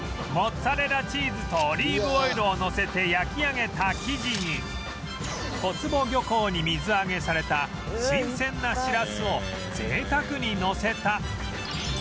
モッツァレラチーズとオリーブオイルをのせて焼き上げた生地に小坪漁港に水揚げされた新鮮なしらすを贅沢にのせた